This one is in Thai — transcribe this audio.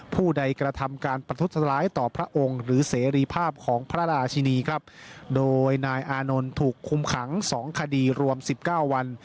ผู้ใดกระทำการประทุษร้ายต่อพระองค์หรือเสรีภาพของพระราชินีครับโดยนายอานนท์ถูกคุมขังสองคดีรวมสิบเก้าวัน